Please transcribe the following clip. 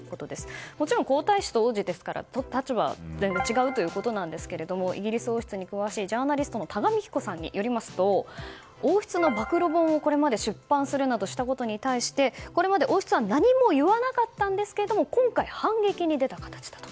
もちろん皇太子と王子ですから立場が違うということですがイギリス王室に詳しいジャーナリストの多賀幹子さんによりますと王室の暴露本をこれまで出版したことに対してこれまで王室は何も言わなかったんですが今回反撃に出た形だと。